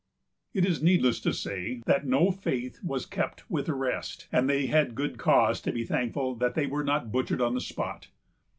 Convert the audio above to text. It is needless to say that no faith was kept with the rest, and they had good cause to be thankful that they were not butchered on the spot.